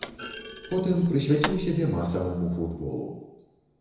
Потым прысвяціў сябе масаваму футболу.